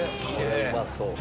うまそう！